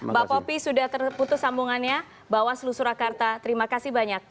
mbak popi sudah terputus sambungannya bawaslu surakarta terima kasih banyak